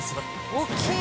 大きい！